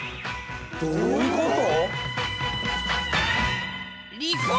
どういうこと？